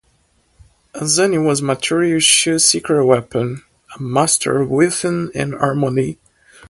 Ansani was Material Issue's secret weapon...a master of rhythm and harmony.